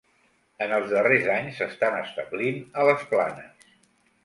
En els darrers anys s'estan establint a les planes.